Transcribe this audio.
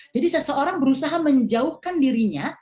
jadi seseorang berusaha menjauhkan dirinya